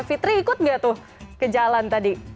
fitri ikut nggak tuh ke jalan tadi